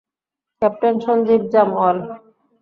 Captain Sanjeev Jamwal.